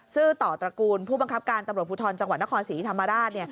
ต่อตระกูลผู้บังคับการตำรวจภูทรจังหวัดนครศรีธรรมราช